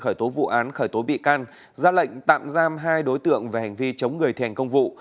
khởi tố vụ án khởi tố bị can ra lệnh tạm giam hai đối tượng về hành vi chống người thi hành công vụ